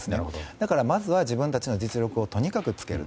だからまずは自分たちの実力をとにかくつける。